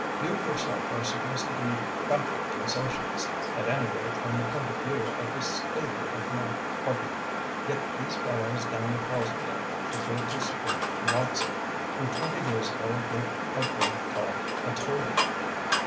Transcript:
You yourself are supposed to be practically a Socialist, at any rate from the point of view of the staider of my party. Yet these fellows down at Hellesfield preferred to support Bloxham, who twenty years ago would have been called a Tory."